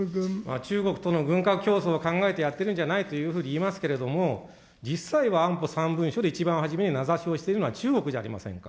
中国との軍拡競争を考えてやってるんじゃないというふうに言いますけれども、実際は安保３文書で一番初めに名指しをしているのは中国じゃありませんか。